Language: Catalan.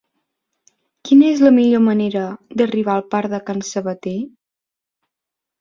Quina és la millor manera d'arribar al parc de Can Sabater?